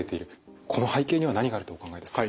この背景には何があるとお考えですか？